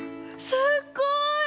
すっごい！